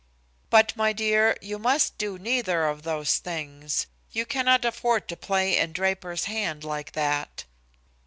But, my dear, you must do neither of those things. You cannot afford to play in Draper's hand like that."